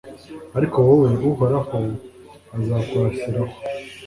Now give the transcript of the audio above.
ariko wowe, uhoraho azakurasiraho,